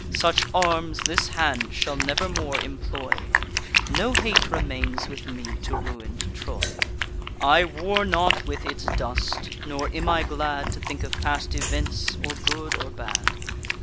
Such arms this hand shall never more employ; No hate remains with me to ruin'd Troy. I war not with its dust; nor am I glad To think of past events, or good or bad.